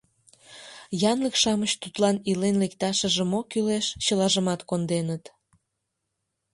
Янлык-шамыч тудлан илен лекташыже мо кӱлеш, чылажымат конденыт.